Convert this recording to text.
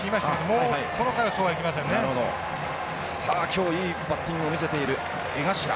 さあ今日いいバッティングを見せている江頭。